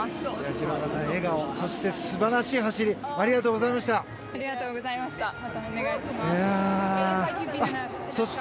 廣中さん笑顔、そして素晴らしい走りありがとうございました。